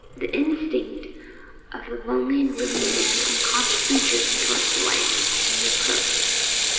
The instinct of the lonely and gloomy man unconsciously drew him towards the light, and he approached.